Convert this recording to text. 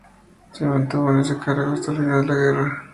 Se mantuvo en ese cargo hasta el final de la guerra.